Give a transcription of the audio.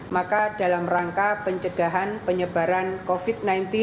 maka dalam rangka pencegahan penyebaran covid sembilan belas